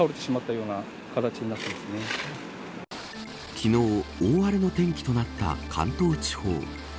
昨日、大荒れの天気となった関東地方。